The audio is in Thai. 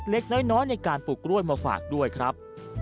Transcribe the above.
เล็กน้อยในการปลูกกล้วยมาฝากด้วยครับ